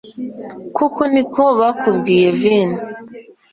koko niko bakubwiye vin